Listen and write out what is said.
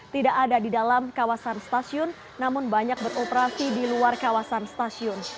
tidak ada di dalam kawasan stasiun namun banyak beroperasi di luar kawasan stasiun